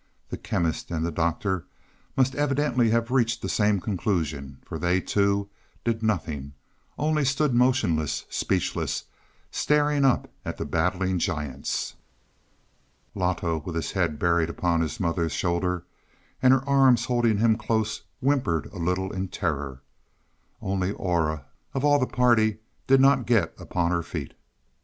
The Chemist and the Doctor must evidently have reached the same conclusion, for they, too, did nothing, only stood motionless, speechless, staring up at the battling giants. Loto, with his head buried upon his mother's shoulder, and her arms holding him close, whimpered a little in terror. Only Aura, of all the party, did not get upon her feet.